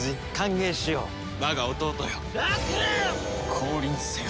降臨せよ！